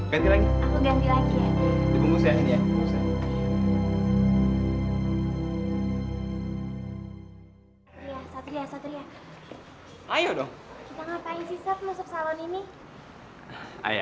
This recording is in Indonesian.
ganti lagi aku ganti lagi ya